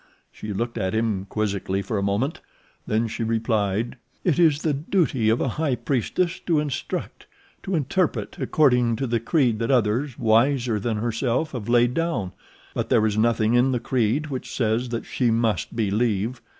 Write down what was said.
She looked at him quizzically for a moment. Then she replied: "It is the duty of a high priestess to instruct, to interpret—according to the creed that others, wiser than herself, have laid down; but there is nothing in the creed which says that she must believe.